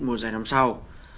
mùa giải năm sau